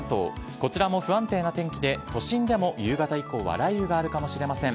こちらも不安定な天気で、都心でも夕方以降は雷雨があるかもしれません。